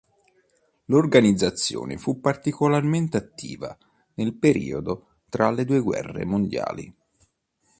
L'organizzazione fu particolarmente attiva nel periodo tra le due guerre mondiali.